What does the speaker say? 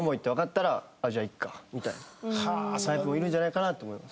そういう子もいるんじゃないかなと思います。